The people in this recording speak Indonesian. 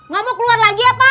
gak mau keluar lagi apa